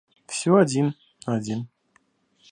Всё один, один.